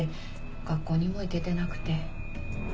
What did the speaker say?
学校にも行けてなくて。